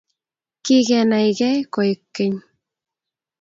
Kigenaygei koeg keny